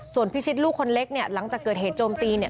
ส่วนพิชิตลูกคนเล็กเนี่ยหลังจากเกิดเหตุโจมตีเนี่ย